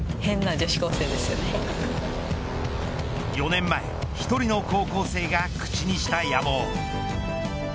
４年前１人の高校生が口にした野望。